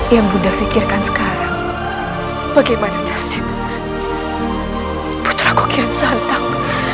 yang bu nda pikirkan sekarang bagaimana nasib putra kukian saltang